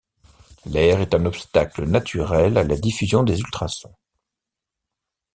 L'air est un obstacle naturel à la diffusion des ultrasons.